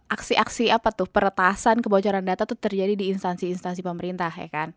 aksi aksi apa tuh peretasan kebocoran data itu terjadi di instansi instansi pemerintah ya kan